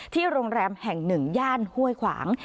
โรงแรมแห่งหนึ่งย่านห้วยขวาง